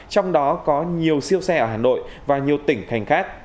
trong đó có nhiều siêu xe ở hà nội và nhiều tỉnh thành khác